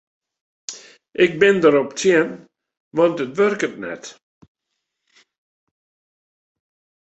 Ik bin derop tsjin want it wurket net.